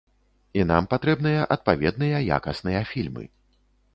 І нам патрэбныя адпаведныя, якасныя фільмы.